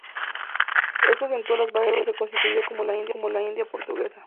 Esto sentó las bases de lo que luego se constituyó como la India Portuguesa.